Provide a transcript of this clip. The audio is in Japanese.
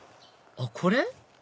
あっこれ？